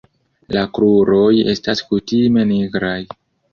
La kruroj estas kutime nigraj.